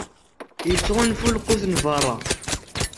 Ittɣunfu lqut n berra.